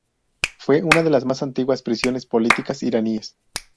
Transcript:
Fue una de las más antiguas prisiones políticas iraníes.